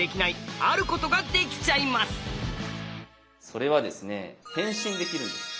それはですね変身できるんです。